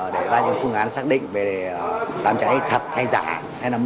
để ra những phương án xác định về đám cháy thật hay giả